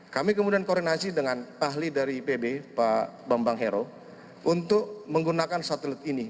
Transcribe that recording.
kami kemudian koordinasi dengan ahli dari ipb pak bambang hero untuk menggunakan satelit ini